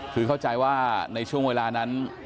คือเข้าใจว่าในช่วงเวลานั้น